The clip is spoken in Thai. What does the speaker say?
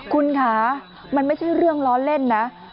คุณคะมันไม่ใช่เรื่องล้อเล่นนะ